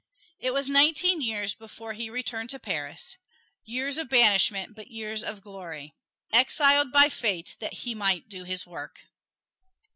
It was nineteen years before he returned to Paris years of banishment, but years of glory. Exiled by Fate that he might do his work!